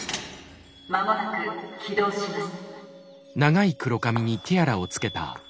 間もなく起動します」。